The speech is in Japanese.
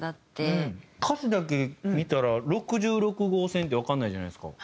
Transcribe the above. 歌詞だけ見たら「６６号線」ってわからないじゃないですか。